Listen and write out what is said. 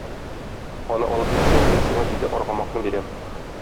Аны алып килсәң, мин сиңа җиде аргамакны бирәм.